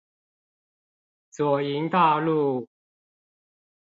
左營大路